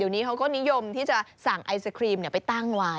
เดี๋ยวนี้เขาก็นิยมที่จะสั่งไอศครีมไปตั้งไว้